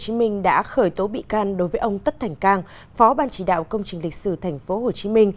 tp hcm đã khởi tố bị can đối với ông tất thành cang phó ban chỉ đạo công trình lịch sử tp hcm